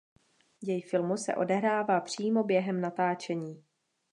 Děj filmu se odehrává přímo během natáčení.